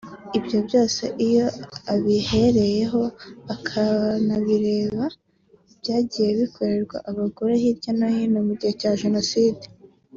Ibyo byose iyo abihereyeho akanareba ibyagiye bikorerwa abagore hirya no hino mu gihe cya Jenoside